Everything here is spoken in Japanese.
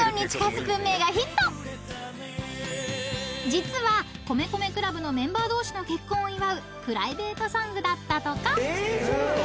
［実は米米ＣＬＵＢのメンバー同士の結婚を祝うプライベートソングだったとか］